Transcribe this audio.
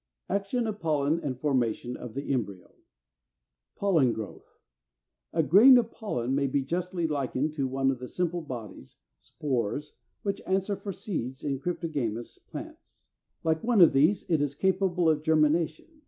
§ 2. ACTION OF POLLEN, AND FORMATION OF THE EMBRYO. 343. =Pollen growth.= A grain of pollen may be justly likened to one of the simple bodies (spores) which answer for seeds in Cryptogamous plants. Like one of these, it is capable of germination.